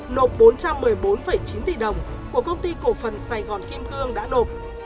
nộp bốn trăm một mươi bốn chín tỷ đồng của công ty cổ phần sài gòn kim cương đã nộp